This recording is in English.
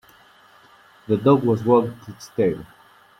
The dog was wagged its tail.